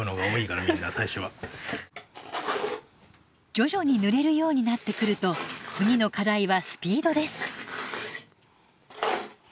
徐々に塗れるようになってくると次の課題はスピードです。